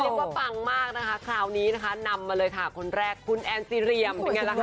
เรียกว่าปังมากนะคะคราวนี้นะคะนำมาเลยค่ะคนแรกคุณแอนทรีย์เรียม